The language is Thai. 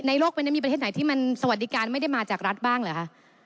โลกใบนี้มีประเทศไหนที่มันสวัสดิการไม่ได้มาจากรัฐบ้างเหรอคะ